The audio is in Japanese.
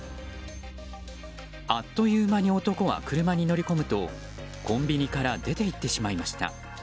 あっという間に男は車に乗り込むとコンビニから出て行ってしまいました。